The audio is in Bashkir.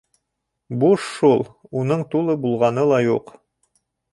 Буш шул, уның тулы булғаны ла юҡ.